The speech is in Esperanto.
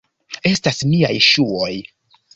Estas miaj ŝuoj!